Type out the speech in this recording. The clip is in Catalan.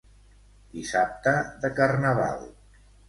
Dissabte de carnaval.